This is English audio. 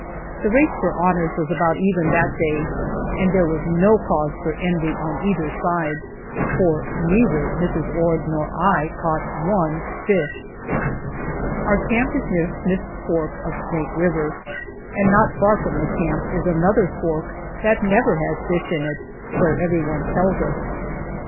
The race for honors was about even that day, and there was no cause for envy on either side, for neither Mrs. Ord nor I caught one fish! Our camp is near Smith's fork of Snake River, and not far from the camp is another fork that never has fish in it so everyone tells us.